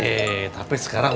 eh tapi sekarang